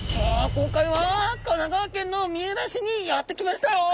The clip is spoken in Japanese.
今回は神奈川県の三浦市にやって来ましたよ。